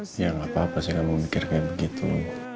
saya gak mau mikir kayak begitu